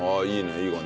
いい感じ。